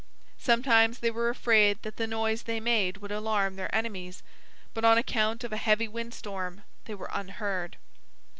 Sometimes they were afraid that the noise they made would alarm their enemies, but on account of a heavy windstorm, they were unheard.